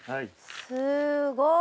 すごい。